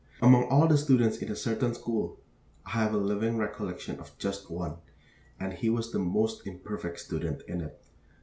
Among all the students in a certain school, I have a living recollection of just one, and he was the most imperfect student in it.